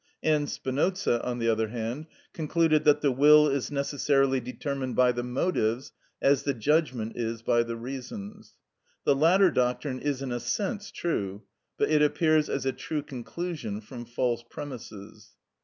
And Spinoza, on the other hand, concluded that the will is necessarily determined by the motives, as the judgment is by the reasons.(70) The latter doctrine is in a sense true, but it appears as a true conclusion from false premises.